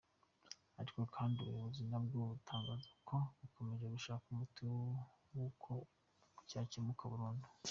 Ariko kandi ubuyobozi nabwo butangaza ko bukomeje gushaka umuti w’uko cyakemurwa burundu.